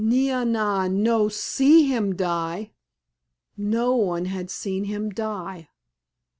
"Nee ah nah no see him die." No one had seen him die!